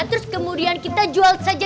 terus kemudian kita jual saja